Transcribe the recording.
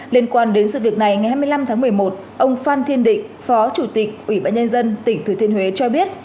liên quan đến sự việc này ngày hai mươi năm tháng một mươi một ông phan thiên định phó chủ tịch ủy ban nhân dân tỉnh thừa thiên huế cho biết